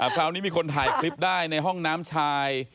คราวนี้มีคนถ่ายคลิปได้ในห้องน้ำชาย